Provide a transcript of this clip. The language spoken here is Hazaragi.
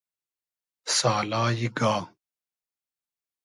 سالای گا